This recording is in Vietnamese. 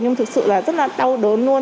nhưng thực sự là rất là đau đớn luôn